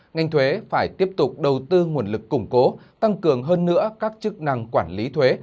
ngành thuế phải tiếp tục đầu tư nguồn lực củng cố tăng cường hơn nữa các chức năng quản lý thuế